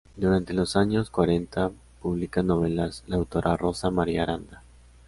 Durante los años cuarenta, publica novelas la autora Rosa María Aranda.